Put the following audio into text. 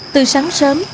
từ sáng sớm